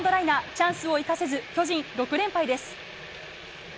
チャンスを生かせず巨人６連敗です。